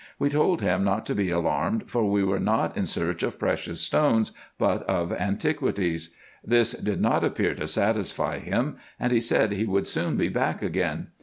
We told him not to be alarmed, for we were not in search of precious stones, but of antiquities. This did not appear to satisfy him, and he said he would soon be back again.